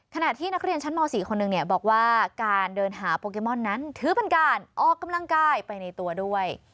ขณะที่นักเรียนชั้นม๔คนหนึ่งบอกว่าการเดินหาโปเกมอนนั้นถือเป็นการออกกำลังกายไปในตัวด้วย